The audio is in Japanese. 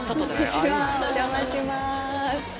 お邪魔します。